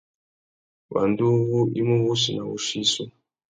Wanda uwú i mú wussi nà wuchiô issú.